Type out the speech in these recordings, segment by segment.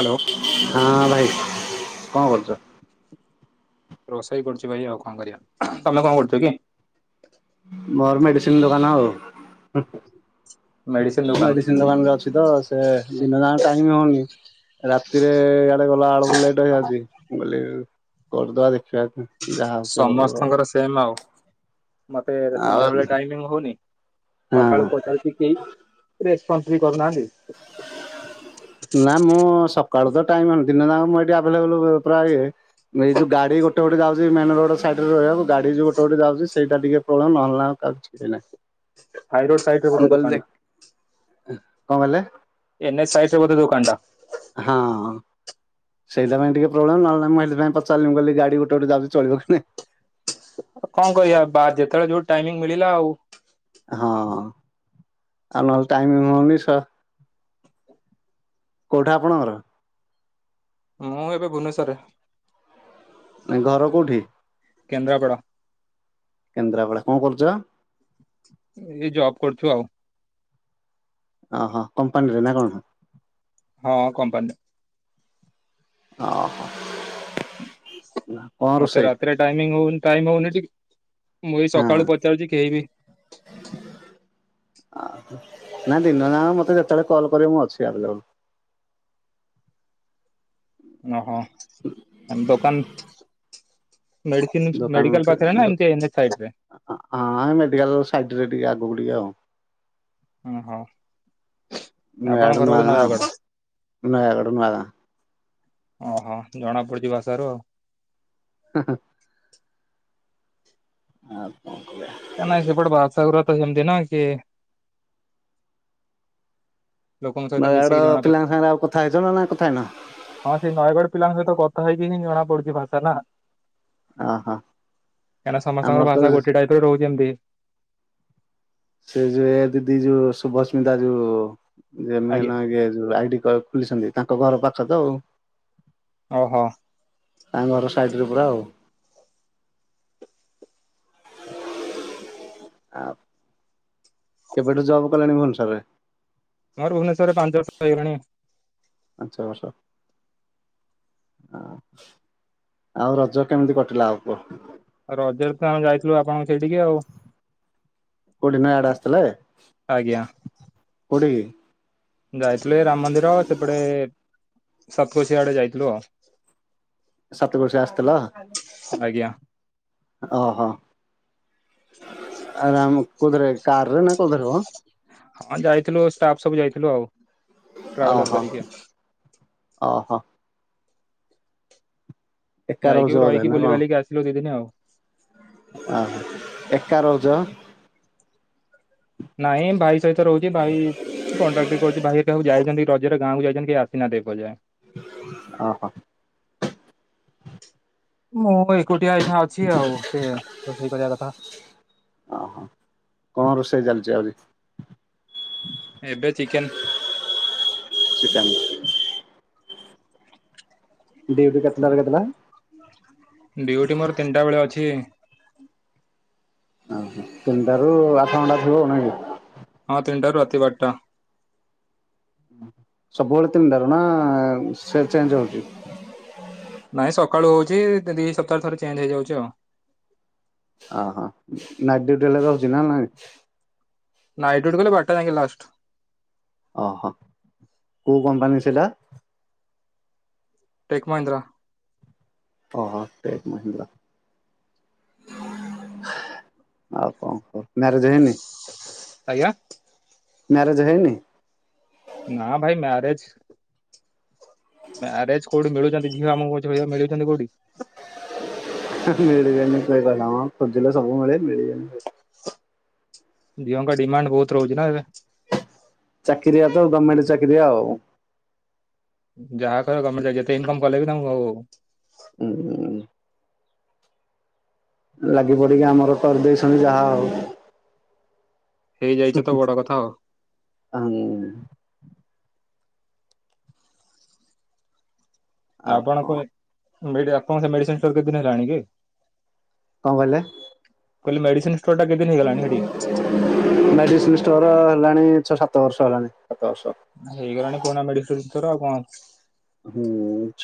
Hello ହଁ ଭାଇ କଣ କରୁଛ? ରୋଷେଇ କରୁଛି ଭାଇ ଆଉ କଣ କରିବା ତମେ କଣ କରୁଛ କି? ମୋର ମେଡିସିନ ଦୋକାନ ଆଉ। [inaudible] ଦୋକାନ ମେଡିସିନ ଦୋକାନରେ ଅଛି ତ ସେ ଦିନ ଯାକ ଟାଇମ ହଉନି ରାତିରେ ଆଡେ ଗଲା ବେଳକୁ ଲେଟ୍ ହେଇଯାଉଛି ମୁଁ କହିଲି କରିଦବା ଦେଖ ଯାହା ହଉଛି ହଉ ଆଉ। ସମସ୍ତଙ୍କର ସେମ୍ ଆଉ ମତେ ଆଉ ସନ୍ଧ୍ୟାବେଳେ ଟାଇମିଂ ହଉନି ହଁ ସକାଳୁ ପଚାରୁଛି କି ରେ [unintelligible] କରୁନାହାନ୍ତି। ନା ମୁଁ ସକାଳୁ ତ ଟାଇମ [unintelligible] ଦିନେ ଯାକ ମୁଁ ଏଠି ଆଭେଲେବୁଲ ପ୍ରାୟେ ଇଏ ଏଇ ଯୋଉ ଗାଡି ଗୋଟେ ଗୋଟେ ଯାଉଛି ମେନ୍ ରୋଡ ସାଇଡରେ ରହିବାକୁ। ଗଡି ଯୋଉ ଗୋଟେ ଗୋଟେ ଯାଉଛି ସେଇଟା ଟିକେ ପ୍ରୋବଲେମ୍ ନହଲେ ନାହିଁ [unintelligible] ହାଇ ରୋଡ ସାଇଟ ରେ ମୁଁ ଗୋଟେ କହିଲି ଦେଖ ଦୋକାନ କଣ କହିଲେ? ଏନେଚ୍ ସାଇଡ ରେ ବୋଧେ ଦୋକାନ ଟା? ହଁ। ସେଇଥିପାଇଁ ଟିକେ ପ୍ରୋବ୍ଲେମ ନହେଲେ ନାହିଁ ମୁଁ ଏଥି ପାଇଁ ପଚାରିଲି ମୁଁ କହିଲି ଗାଡି ଗୋଟେ ଗୋଟେ ଯାଉଛି ଚଳିବ କି ନାହିଁ। ଆଉ କଣ କହିବା ବା ଯେତେବେଳେ ଯୋଉ ଟାଇମିଂ ମିଳିଲା ଆଉ। ହଁ ଆଉ ନହେଲେ ଟାଇମିଂ ହଉନି ଶଳା କୋଉଠେ ଆପଣଙ୍କର? ମୁଁ ଏବେ ଭୁବନେସ୍ୱରରେ ଘର କୋଉଠି? କେନ୍ଦ୍ରାପଡ଼ା କେନ୍ଦ୍ରାପଡା କଣ କରୁଛ? ଏଇ ଜବ କରୁଛୁ ଆଉ। ଓ ହୋ କମ୍ପାନୀରେ ନା କଣ? ହଁ କମ୍ପାନୀରେ ଓହୋ। କଣ ମତେ ରୋଷେଇ? ରାତିରେ ଟାଇମିଙ୍ଗ ହଉନି ଟାଇମ ହଉନି ଟିକେ ମୁଁ ଏଇ ହଁ ସକାଳୁ ପଚାରୁଛି କେହିିବି ନାଇଁ ଦିନ ନା ମତେ ଯେତେବେଳେ କଲ୍ କରିବେ ମୁଁ ଅଛି ଆଭେଲେବୁଲ ଓହୋ ଦୋକାନ ମେଡିସିନ ଦୋକାନ ମେଡିକାଲ ଉଥେ ପାଖରେ ନା ଦୋ ଏମିତି ଏନ୍ଏଚ ସାଇଡରେ ହଁ ମେଡିକାଲ ସାଇଟରେ ଟିକେ ଆଗକୁ ଟିକେ ଆଉ। ଓ ହୋ। ନୟାଗଡ ନୂଆଗାଁ ଆଉ ନୟାଗଡ ନୂଆଗାଁ ଓହୋ ଜଣା ପଡିୁଛି ଭାଷାରୁ ଆଉ। ହ ହ। ହଁ ଆଉ କଣ କରିବା? କାହିଁନା ସେପଟେ ଭାଷା ଗୁରା ତ ସେମିତି ନା କି ଲୋକଙ୍କ ସହିତ ମିଶିକି ନୟାଗଡ଼ ଜଣା ପଡ ପିଲାଙ୍କ ସାଙ୍ଗରେ ଆଉ କଥା ହେଇଛ ନା ନା କଥା ହେଇନ ହଁ ସେ ନୟାଗଡ ପିଲାଙ୍କ ସହିତ କ ଥା ହେଇକିନି ଜଣା ପଡୁଛି ଭାଶା ନା ଓହୋ କାହିଁକନା ଆମର ସମସ୍ତଙ୍କର ତ ଭାଷା ଗୋଟେ ଟାଇପରେ ରହୁଛି ଏମତି ସେ ଯୋଉ ଏ ଦିଦି ଯୋଉ ଶୁଭସ୍ମିତା ଯୋଉ ଯେ ଆଜ୍ଞା ମେନ୍ ହେଇକି ଯୋଉ ଆଇଡି ଖୋଲିଛନ୍ତି ତାଙ୍କ ଘର ପାଖ ତ ଆଉ। ଓହୋ। ତା ଘର ସାଇଟରେ ପୁରା ଆଉ। ଆ କେବେଠୁ ଜବ କଲେଣି ଭୁବନେଶ୍ୱରରେ? ମୋର ଭୁବନେଶ୍ୱରରେ ପାଞ୍ଚ ବର୍ଷ ହେଇଗଲାଣି। ପାଞ୍ଚ ବର୍ଷ? ଆଉ ରଜ କେମିତି କଟିଲା ଆଉ କୁହ? ରଜରେ ତ ଆମେ ଯାଇଥିଲୁ ଆପଣଙ୍କୁ ସେଇଠିକି ଆଉ। କୋଉଠି ନୟାଗଡ ଆସିଥିଲେ ଆଜ୍ଞା କୋଉଠିକି? ଯାଇଥିଲୁ ରାମ ମନ୍ଦିର ଆ ସେପଟେ ସତକୋସିି ଆଡେ ଯାଇଥିଲୁ ଆଉ। ସତ କହୁଛ ଆସିଥିଲା ଆଜ୍ଞା ଓହୋ ଆ ରାମ କୋଉଥିରେ? କାରରେ ନା କୋଉଥିରେ ମ? ହଁ ଯାଇଥିଲୁ ଷ୍ଟାଫ ସବୁ ଯାଇଥିଲୁ ଆଉ ଟ୍ରାଭେଲର କରିକି ଆଉ। ଓ ହୋ। ଏକା ରହୁଛ ଯାଇକି ବୋଧେ ରହିକି ନା କଣ? ବୁଲିିବାଲିକି ଆସିଲୁ ଦି ଦିନ୍ ଆଉ। ଏକା ରହୁଛ? ନାଇଁ ଭାଇ ସହିତ ରହୁଛି ଭାଇ କଣ୍ଟାକ୍ଟ୍ରି କରୁଛି ଭାଈ ହେରିକା ସବୁ ଯାଇଛନ୍ତି ରଜରେ ଗାଁକୁ ଯାଇଛନ୍ତି। କେହି ଆସିନାହାନ୍ତି ଏପଯାଏ ଓହୋ। ମୁଁ ଏକୁଟିଆ ଆ ଅଛି ଆଉ ସେ ରୋଷେଇ କରିବା କଥା। ଯାଉଛି ଏବେ ଚିକେନ ଭିଟାମିନ ଡିଉଟି କେତେ ଟାରୁ କେତେଟା ଡିଉଟି ମୋର ତିନିଟା ବେଳେ ଅଛି। ଆ ତିନିଟା ରୁ ଆଠ ଘଣ୍ଟା ଥିବ ନ ହଁ ତିନିଟାରୁ ରାତି ବାଟା। ସବୁବେଳେ ତିନି ଟାରୁ ନା ସେ ଚେଞ୍ଜ ହଉଛି? ନାଇଁ ସକାଳୁ ହଉଛି ଦି ସପ୍ତାହ ଥରେ ଚେଞ୍ଜ ହେଇଯାଉଛି ଆଉ। ଓହୋ ନାଇଟ୍ ଡୁଟି ହେଲେରହୁଛି ନା ନାଇଁ? ନାଇଟ୍ ଡିଉଟି କଲେ ବଟା ଯାଇକି ଲାଷ୍ଟ। ଓହୋ କୋଉ କମ୍ପାନୀ ସେଇଟା? ଟେକ୍ ମହେନ୍ଦ୍ର। ଟେକ ମହେନ୍ଦ୍ର। ଆଉ କଣ କର ମ୍ୟାରେଜ ହେଇନି? ଆଜ୍ଞା! ମ୍ୟାରେଜ ହେଇନି? ନା ଭାଇ ମ୍ୟାରେଜ ମାର୍ରଜେ କୋଉଠି ମିଳୁଛନ୍ତି, ଝିଅ ଆମକୁ ଝ ମିଳୁଛନ୍ତି କୋଉଠି? [unintelligible] ଝିଅଙ୍କ ଡିମାଣ୍ଡ ବହୁତ ରହୁଛି ନା ଏବେ! ଚାକିରିଆ ତ ଗମେଣ୍ଟ ଚାକିରିଆ ଆଉ। ଯାହା କର ଗମେଣ୍ଟ ଚାରିକି ଯେତେ ଇନକମ କଲେ ବିି ତାଙ୍କୁକୁ ଆଉ। ଉଁ ଲାଗି ପଡିକି ଆମର କରିଦେଇ ଶୁଣି ଯାହା ଆଉ। ହେଇଯାଇଛ ତ ବଡ କଥା ଆଉ। ହୁଁ ଆଉ କଣ ଆପଣଙ୍କ ଆପଣଙ୍କ ମେଡିସିନ ଷ୍ଟୋର କେତେଦିନ ହେଲାଣି କି? କଣ କହିଲେ! କହିଲ ମେଡିସି! ମେଡିସିନ ଷ୍ଟୋର ହେଲାଣି ଛଅ ସାତ ବର୍ଷ ହେଲାଣି ସାତ ବର୍ଷ। ହେଇଗଲାଣି ପୁରୁଣା ମେଡିିକଲଥର ଆଉ କଣ ହୁଁ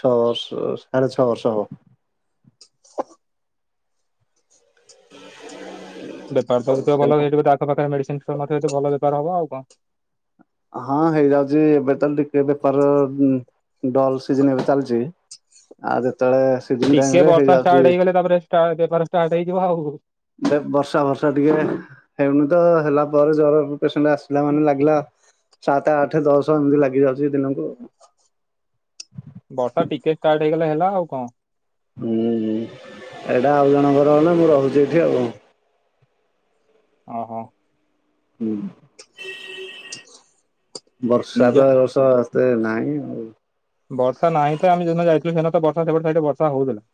ଛଅ ବର୍ଷ ସାଢେ ଛଅ ବର୍ଷ ହବ। ହୁଁ। ବେପାର ତଥିବ ଭଲ ହେଇିବ ତା ପାଖରେ ମେଡିସିନ ଭଲ ବେପାର ହବ ଆଉ କଣ? ହଁ ହେଇଯାଉଛି ଏବେ ତାହଲେ ଟିକେ ବେପାର ଡଲ ସି ଏବେ ଚାଲିଛି। ଆଦ ଟିକେ ବର୍ଷା ଷ୍ଟାର୍ଟ ହେଇଗଲେ ତାପରେ ବେପ ଷ୍ଟାର୍ଟ ହେଇଯିବ ଆଉ। ବର୍ଷା ବର୍ଷା ଟିକେ ହେଉନି ତ ହେଲା ପରେ ଜର ପେସଟ ଆସିଲା, ମାନେ ଲାଗିଲା ସାତ ଆଠ ଦଶ ଏମିତି ଲାଗି ଯାଉଛି ଦିନକୁ ବର୍ଷା ଟିକେ ଷ୍ଟାର୍ଟ ହେଇଗଲେ ହେଲା ଆଉ କଣ? ହୁଁ ଏଇଟା ଆଉ ଜଣଙ୍କର ନା ମୁଁ ରହୁଛି ଏଠି ଆଉ। ଓ ହୋ। ହଁ ବର୍ଷା ନିଜ ତଷ ତ ନାଇଁଉ। ବର୍ଷା ନାହିଁ ତ ଆମେ ଯେଦିନ ଯାଇଥିଲୁ, ସେଦିନ ତ ବର୍ଷା ସେଟେ ସେଇଠି ବର୍ଷା ହଉଥିଲା।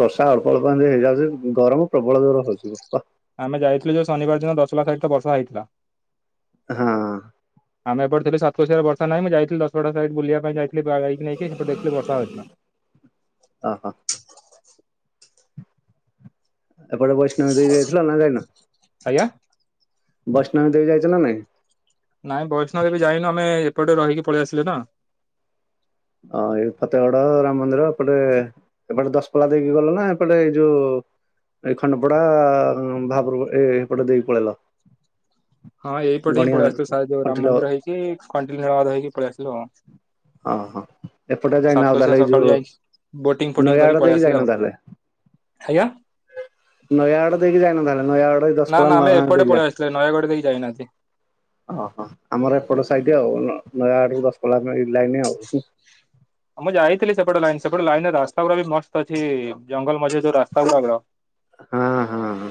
ବର୍ଷା ଅଳ୍ପ ଅଳ୍ପ ହେଇଯାଉଛି ଗରମ ପ୍ରବଳ ଜୋର ହଉଯିବ ବା ଆମେ ଯାଇଥିଲୁ ଯେଉ ଶନିବାର ଦିନ ଦଶହଲା ସହିତ ବର୍ଷା ହେଇଥିଲା। ହଁ। ଆମେ ଏ ଥିଲ ସାତଶହରେ ବର୍ଷ ନାହିଁ ଯଥିଲ ଦଶଟା ସାଇ ବୁଲିବା ପାଇଁ ଯାଇଥିଲ। ଦେ ବା ଗାଇକି ନେଇକି ସେପଟେ ଦେଖିଲେ ବର୍ଷା ହେଥିଲା। ଓହୋ ଏପଟେ ବୈଷ୍ଣବୀ ଦେଇ ଯାଇଥିଲ ନା କାଇ ନା? ଆଜ୍ଞା! ବସଷ୍ଟାଣ୍ଡରେ ଦେବେ ଯାଇଛ ନା ନାଇଁ? ନାଇଁ ବୈଷ୍ଣ ଏବେ ଯାଇନୁ ଆମେ ଏପଟେ ରହିକି ପଳେଇ ଆସିଲେ ନା। ହଁ ଏଇ ଫତେଗଡ ରାମ ମନ୍ଦିର ଏପଟେ ଏପଟେ ଦଶପଲା ଦେଇକି ଗଲ ନା ଏପଟେ ଏଇ ଯୋଉ ଏଇ ଖଣ୍ଡପଡା ଭାବର ଏ ଏପଟେ ଦେଇକି ପଳେଇଲ ହଁ ଏଇପଟେ ହିଁ ଗଣିଆ ପଳେଇ ଆସିଲୁଉ ରାମ କଣ୍ଟିଲ ମନ୍ଦିର ହେଇକି କଣ୍ଟିଲବାଦ ହେକି ପଳେଇ ଆସିଲୁ ଆଉ ହଁ ହଁ। ଏପଟେ ଯାଇନାଉ ସାତକୋଶିଆ ତାହେଲେ ଏଇ ସକାଳୁ ଯୋଉ ଯାଇକି ବୋଟିଂ ଫୋଟିଂ ନୟ କରି ଆଡ ପଳେଇ ଦେଇକି ଆସିଲେ ଆଉ। ଯାଇନ ତାହେଲେ ଆଜ୍ଞା। ନୟାଗଡ ଦେଇକି ଯାଇନ ତାହେଲେ ନୟାଗଡ ଏଇ ନା ଦଶପଲ୍ଲା ନା ନୂଆ ଆମେ ଗାଁ ଏପଟେ ଦେଇକି ଯାଇ ପଳେଇ ଆସିଲେ, ନୟାଗଡ ଦେଇକ ଯାଇନାହାନ୍ତି। ଓହୋ, ଆମର ଏପଟ ସାଇଦ ଆଉ ନୟା ଆଡ ଦଶ ପଲା ଲାଇନ ହ ମୁଁ ଯାଇଥିଲି ସେପଟେ ଲାଇନ, ସେପଟେ ଲାଇନରେ ରାସ୍ତା ଗୁଡା ବି ମସ୍ତ ଅଛି, ଜଙ୍ଗଲ ମଝି ଯୋଉ ରାସ୍ତା ଗୁଡ ହଁ ହଁ ହଁ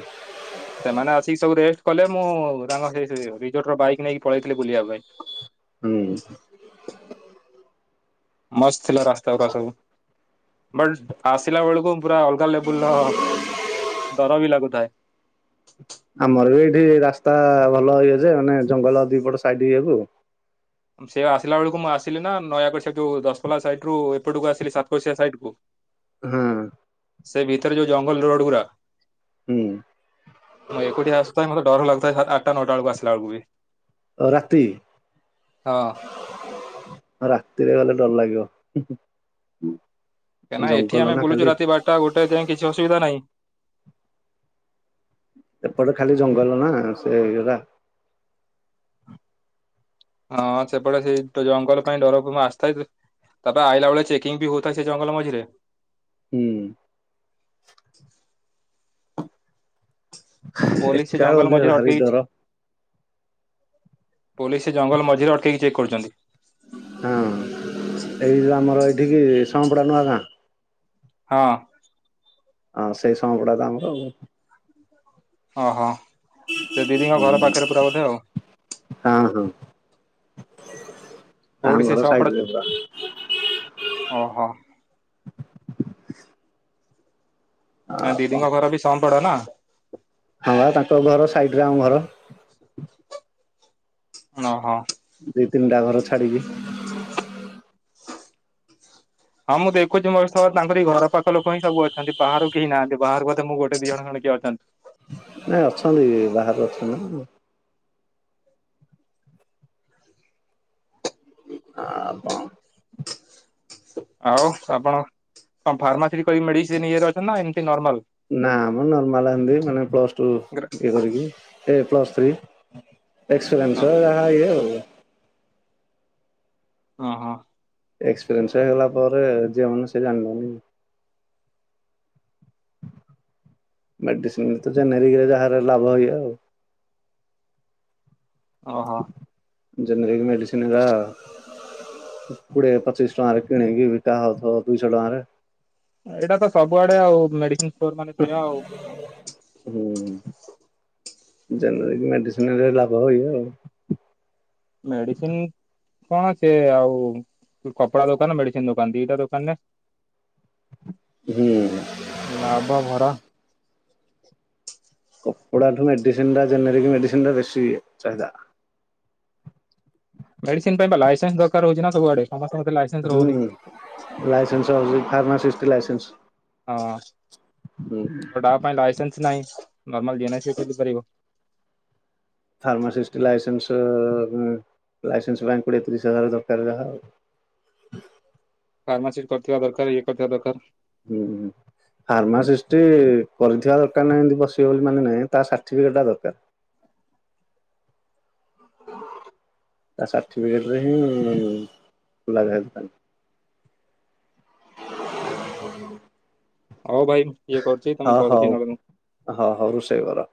ସେମାନେ ଅସି ସବୁ ରେଟ କଲେ, ମୁଁ ତାଙ୍କ ସେ ରିର୍ଟ ର ବାଇକ ନେଇକି ପଳେଇଥିଲି ବୁଲିବା ପାଇଁ ହୁଁ। ମସ୍ତ ଥିଲା ରାସ୍ତା ଗୁଡା ସବୁ, ବଟ ଆସିଲା ବେଳକୁ ପୁରା ଅଲଗା ଲେବୁଲ ର ଡର ବି ଲାଗୁଥାଏ। ଆମର ବି ଏଇଠି ରାସ୍ତା ଭଲ ଇଏ ଯେ, ମାନେ ଜଙ୍ଗଲ ଦିପଟ ସାଇଡ ଇଏକୁ। ସେ ଆସିଲା ବେଳକୁ, ମୁଁ ଆସିଲି ନା, ନୟାଗଡ଼ ସେ ଯୋଉ ଦଶପଲ୍ଲା ସାଇଡ ରୁ ଅଟକୁ ଆସିଲି ସାତକୋଶିଆ ସାଇଡ କୁ, ହଁ ସେ ଭିତରେ ଯୋଉ ଜଙ୍ଗଲ ରଡ ଗୁରା ହୁଁ ମୁଁ ଏକୁଟିଆ ଆସୁଥାଏ, ମତେ ଡର ଲାଗୁ ତ ଆଠଟା, ନଟା ବେଳକୁ ଆସା ବେଳକୁ ବି ଓ ରାତି! ହଁ ରାତିରେ ଗଲେ ଡର ଲାଗିବ। ଆଜ୍ ହୁଁ [unintelligible] କାଁଇନା ଏଠି ଆମ ବୁଲୁ ରା ବାରଟା ଗୋଟେ ଯାଇଏ କିଛି ଅସବଧା ନାହିଁ ଏପଟେ ଖାଲି ଜଙ୍ଗଲ ନା ସେ ଇଟା ହଁ ସେପଟେ ସେଇ ତ ଜଙ୍ଗଲ ପାଇଁ ଡର ଆସିଥାଏ। ତାପରେ ଆଇଲା ବେଳେ ଚେକିଂ ବି ହଉଥାଏ, ସେ ଜଙ୍ଗଲ ମଝିରେ ହୁଁ। ପୋଲିସ ସେ ଏକା ଜଙ୍ଗଲ ଗଲେ ମଝିରେ ଭାରି ଅଟ ଡର ପୋଲିସ ଜଙ୍ଗଲ ମଝିରେ ଅଟକେଇକି ଚେକ୍ କରୁଛନ୍ତି ହଁ ଏଇଉ ଆମର ଏଇଠିକି ଶପଡା ନୂଆ ଗାଁ ହଁ। ହଁ, ସେଇ ସଂପଡା ତ ଆମର ଓହୋ ସେ ଦିଦିଙ୍କ ଘର ପାଖରେ ପୁରା ବୋଧେ ଆଉ ଆ [unintelligible] ତା କୋଉଠି ସେ ଘର ସପଡା ସାଇଡ଼ ପରା। ଓହୋ [unintelligible] ଦିଡିିଙ୍କ ଘର ବି ସଂପଡା ନା? ହଁ ବା ତାଙ୍କ ଘର ସାଇଡ ରେ ଆମ ଘର। ଓହୋ। ଦି ତିନିଟା ଘର ଛାଡିକି। ହଁ ମୁଁ ଦେଖଛି ବର୍ଷ ତାରଇ ଘର ପାଖ ଲୋକ ହିଁବୁଛନ୍ତି ବାହାରକୁ କେହି ନାହାନ୍ତି ବାହାରାରୁ ବଧେ ମୁ ଗଟ ଦି ଜଣେ କିଏ ଅଛନ୍ତି। ହ [unintelligible] ନାଇଁ ଅଛନ୍ତି, ବାହାରୁ ଅଛନ୍ତି। ହଁ ଆପ [unintelligible] ଆଉ ଆପଣ କଣ ଫାର୍ମାସିଟି କରିକି ମେଡିସିନ ଇଏରେ ଅଛନ୍ତି ନା ଏମତି ନା ମ ନର୍ମାଲ ଏମିତି, ମାନେ ପ୍ଲସ ଟୁ ଇଏ କରିକି ଏ ପ୍ଲସ ଟ ଫ୍ରୀ ହଁ ଏକ୍ସପିରିନ୍ସ ଆ ଓ ହୋ। ଏକ୍ସପିରିଏନ୍ସ ହେଲା ପରେ ଯେଉନ ସେ ଜା [inaudible] ମେଡିସିନ ତ ଜେନେରିକରେ ଯାହାର ଲାଭ ହୁଏ ଆଉ ଓହୋ। ଜେନେରାଲ ମେଡ଼ିସିନ ଗୁରା କୋଡ଼ିଏ ପଚିଶ ଟଙ୍କାରେ କିଣିକି ତା ଦୁଇଶହ ଟଙ୍କାର ଏଇଟା ତ ସବୁଆଡ଼େ ଆଉ ମେଡ଼ିସିନ ଷ୍ଟୋର ମାନେ କିଣା ଆଉ। ଜେନେରାଲ ମେଡ଼ିସିନରେ ଲାଭ ହେବ ଆଉ। ମେଡ଼ିସିନ କଣ ସେ ଆଉ କପଡ଼ା ଦୋକାନ ମେଡ଼ିସିନ ଦୋକାନ ଦି'ଟା ଦୋକାନରେ ହୁଁ ଲାଭ ଭରା କପଡ଼ା ଠୁ ମେଡ଼ିସିନ ଟା ଜେନେରାଲ ମେଡ଼ିସିନ ଟା ବେଶୀ ଇଏ ଚାହିଦା। ମେଡ଼ିସିନ ପାଇଁ ଲାଇସେନ୍ ଦରକାର ହେଉଛି ନା ସବୁଆଡ଼େ। ହୁଁ ଲାଇସେନ୍ସ ହଉଛି ଫାର୍ମାସିସ୍ ଷ୍ଟି ଲାଇସେନ୍ସ। ହଁ ହୁଁ ବଟା ପାଇଁ ଲାଇସେନ୍ସ ନାହିଁ। ନର୍ମାଲ ଦିଅନା ସେ କେମିତି କରିବ? Pharmacist licence. ଲାଇସେନ୍ସ ପାଇଁ କୋଡ଼ିଏ ତିରିଶ ହଜାର ଦରକାର ଯାହା ଆଉ। ଫାର୍ମାସିଟ୍ କରିଥିବା ଦରକାର ଇଏ କରିଥିବା ଦରକାର। ହୁଁ। ଫାର୍ମାସିଷ୍ଟ କରିଥିବା ଦରକାର ନାହିଁ। ଏମତି ବସିବେ ବୋଲି ମାନେ ନାହିଁ ତା ସାର୍ଟିଫିକେଟ ଟା ଦରକାର। ତା ସାର୍ଟିଫିକେଟରେ ହିଁ ଖୋଲାଯାଏ ଦୋକାନ। ହଉ ଭାଇ ଇଏ କରୁଛି ହଁ ତମକୁ କରୁଛି ହଉଁ ନହେଲେ ହଁ ହଉଁ ରୋଷେଇ କର।